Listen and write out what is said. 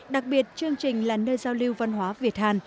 đặc biệt chương trình là nơi giao lưu văn hóa việt hàn